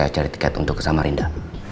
saya cari tiket untuk ke semarinda